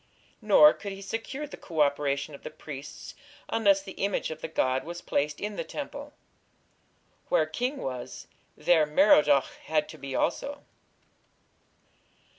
Nor could he secure the co operation of the priests unless the image of the god was placed in the temple. Where king was, there Merodach had to be also.